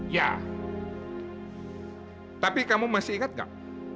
ya tapi kamu masih ingat gak